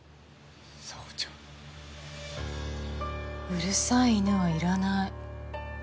うるさい犬はいらない。